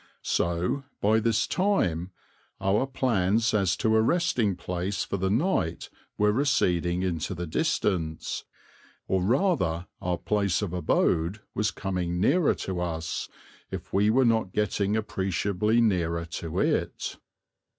So, by this time, our plans as to a resting place for the night were receding into the distance, or rather our place of abode was coming nearer to us, if we were not getting appreciably nearer to it.